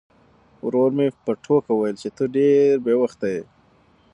ورور مې په ټوکه وویل چې ته ډېر بې وخته یې.